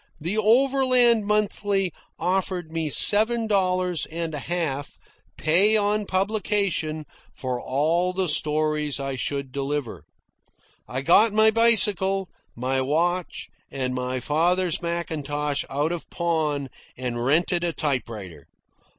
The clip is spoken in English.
The "Overland Monthly" offered me seven dollars and a half, pay on publication, for all the stories I should deliver. I got my bicycle, my watch, and my father's mackintosh out of pawn and rented a typewriter.